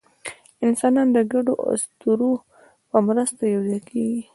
انسانان د ګډو اسطورو په مرسته یوځای کېږي.